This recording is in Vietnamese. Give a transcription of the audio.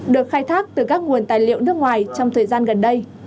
được khai thác từ các nguồn tài liệu nước ngoài trong thời gian gần đây